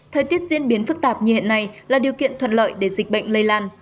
thời tiết diễn biến phức tạp như hiện nay là điều kiện thuận lợi để dịch bệnh lây lan